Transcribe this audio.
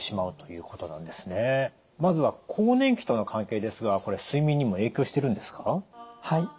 まずは更年期との関係ですがこれ睡眠にも影響してるんですか？